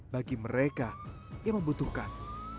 bagi mereka yang membutuhkan